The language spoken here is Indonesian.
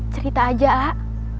cerita aja ah